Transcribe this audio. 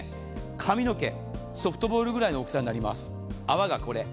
髪の毛、ソフトボールぐらいの大きさになります。